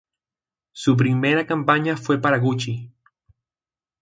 Su primera campaña fue para Gucci.